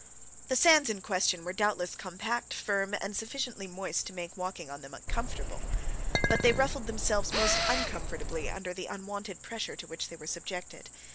The sands in question were doubtless compact, firm, and sufficiently moist to make walking on them comfortable; but they ruffled themselves most uncomfortably under the unwonted pressure to which they were subjected.